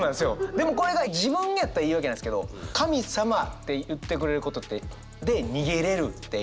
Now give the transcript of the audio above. でもこれが自分やったら言い訳なんですけど「神様」って言ってくれることで逃げれるっていう。